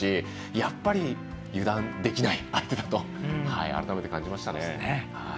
やっぱり、油断できない相手だと改めて感じましたね。